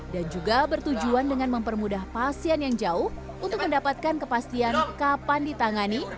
dan juga bertujuan dengan mempermudah pasien yang jauh untuk mendapatkan kepastian kapan ditangani